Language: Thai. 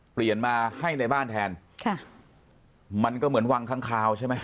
เปลี่ยนมาให้ในบ้านแทนค่ะมันก็เหมือนวังข้างคาวใช่ไหม